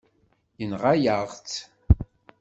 Yenɣa-yaɣ-tt.